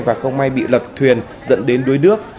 và không may bị lật thuyền dẫn đến đuối nước